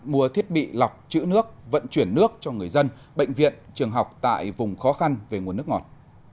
mua thiết bị lọc chữ nước vận chuyển nước cho người dân bệnh viện trường học tại vùng khó khăn về nguồn nước ngọt